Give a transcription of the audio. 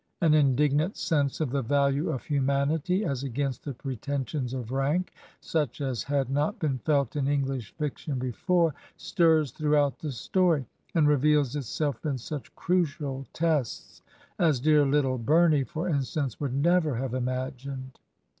An indignant sense of the value of humanity as against the pretensions of rank, such as had not been felt in English fiction before, stirs throughout the story, and reveals itself in such crucial tests as dear " Httle Bumey," for instance, would never have imagined.